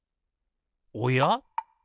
おや？